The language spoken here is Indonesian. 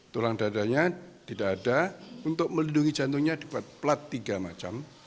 tulang dadanya tidak ada untuk melindungi jantungnya dibuat plat tiga macam